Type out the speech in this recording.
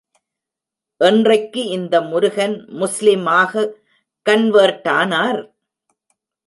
என்றைக்கு இந்த முருகன் முஸ்லிம் ஆக கன்வெர்ட் ஆனார்?